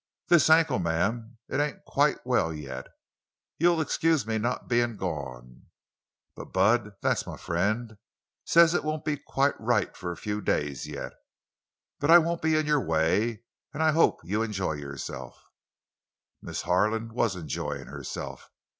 "This ankle, ma'am—it ain't quite well yet. You'll excuse me not being gone. But Bud—that's my friend—says it won't be quite right for a few days yet. But I won't be in your way—and I hope you enjoy yourself." Miss Harlan was enjoying herself.